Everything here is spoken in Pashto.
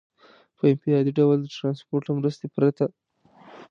په انفرادي ډول د ټرانسپورټ له مرستې پرته.